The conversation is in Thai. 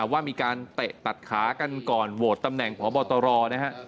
ว่ามีการเตะตัดขากันก่อนโหวตตำแหน่งพบตรนะฮะ